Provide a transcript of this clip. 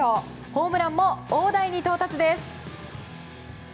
ホームランも大台に到達です。